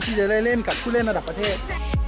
จะได้เล่นกับผู้เล่นระดับประเทศ